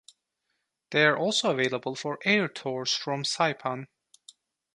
They are also available for air tours from Saipan.